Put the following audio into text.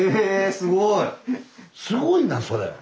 すごいなそれ。